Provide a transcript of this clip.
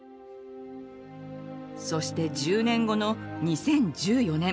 そして１０年後の２０１４年。